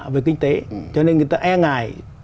với kinh tế cho nên người ta e ngại